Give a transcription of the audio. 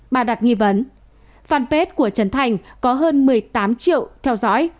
bà đặt nghi vấn fanpage của trấn thành có hơn một mươi tám triệu theo dõi